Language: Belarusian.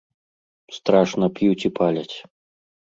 Страшна п'юць і паляць.